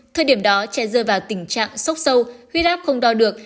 thời điểm đó trẻ rơi vào tình trạng sốc sâu huyết áp không đo được